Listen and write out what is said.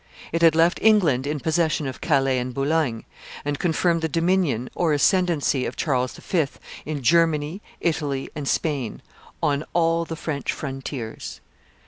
It had left England in possession of Calais and Boulogne, and confirmed the dominion or ascendency of Charles V. in Germany, Italy, and Spain, on all the French frontiers.